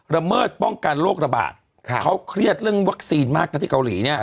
เมิดป้องกันโรคระบาดเขาเครียดเรื่องวัคซีนมากนะที่เกาหลีเนี่ย